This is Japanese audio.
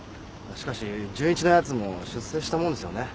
しかし純一のヤツも出世したもんですよね。